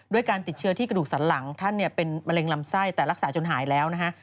การติดเชื้อที่กระดูกสันหลังท่านเป็นมะเร็งลำไส้แต่รักษาจนหายแล้วนะฮะ